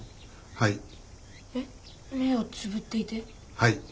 はい。